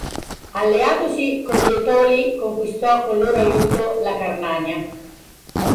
Alleatosi con gli Etoli, conquistò col loro aiuto l'Acarnania.